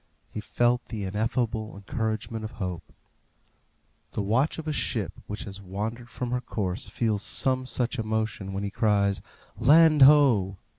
He felt the ineffable encouragement of hope. The watch of a ship which has wandered from her course feels some such emotion when he cries, "Land ho!"